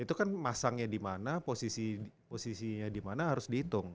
itu kan masangnya dimana posisinya dimana harus dihitung